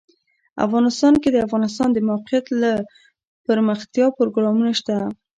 افغانستان کې د د افغانستان د موقعیت لپاره دپرمختیا پروګرامونه شته.